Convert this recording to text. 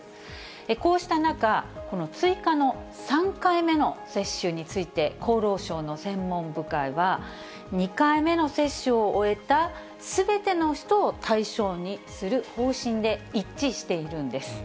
こうした中、この追加の３回目の接種について厚労省の専門部会は、２回目の接種を終えたすべての人を対象にする方針で一致しているんです。